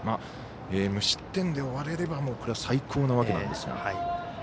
無失点で終われれば最高なわけですが。